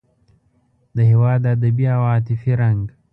د هېواد ادبي او عاطفي رنګ.